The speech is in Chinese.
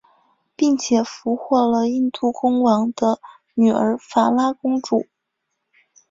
并且俘获了印度公王的女儿法拉公主。